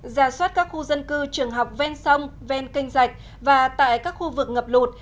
giả soát các khu dân cư trường học ven sông ven kênh dạch và tại các khu vực ngập lụt